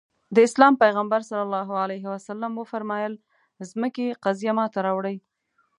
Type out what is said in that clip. د اسلام پيغمبر ص وفرمايل ځمکې قضيه ماته راوړي.